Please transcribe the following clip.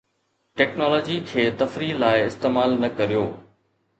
technology کي تفريح لاء استعمال نه ڪريو